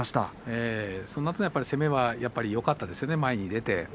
そのあとの攻めはよかったですよね、前に出て。